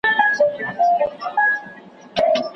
نور مي بېګانه له پلونو ښار دی بیا به نه وینو